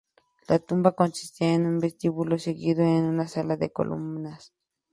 La tumba consiste en un vestíbulo seguido de una sala de columnas.